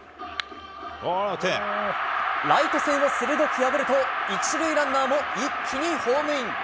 ライト線を鋭く破ると、１塁ランナーも一気にホームイン。